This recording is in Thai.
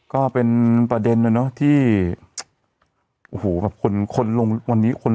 ก็เป็นประเด็นเลยเนอะที่